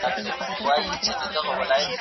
ټول انسانان په انسانیت کي سره برابر دي.